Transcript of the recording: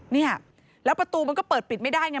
เนี่ยแล้วประตูมันก็เปิดปิดไม่ได้ไง